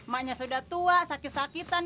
maknya sudah tua sakit sakitan